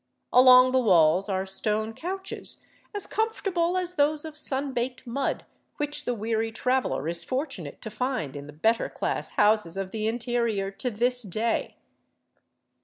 Along the walls are stone couches as comfortable as those of sun baked mud which the weary traveler is fortunate to find in the better class houses of the interior to this day.